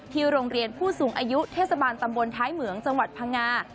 โรงเรียนผู้สูงอายุเทศบาลตำบลท้ายเหมืองจังหวัดพังงา